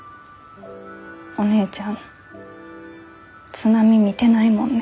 「お姉ちゃん津波見てないもんね」